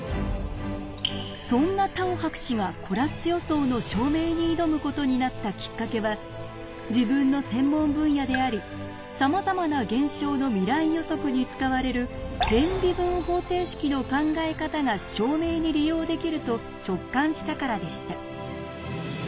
そんなタオ博士がコラッツ予想の証明に挑むことになったきっかけは自分の専門分野でありさまざまな現象の未来予測に使われる偏微分方程式の考え方が証明に利用できると直感したからでした。